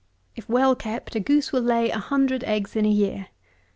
If well kept, a goose will lay a hundred eggs in a year.